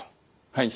はい。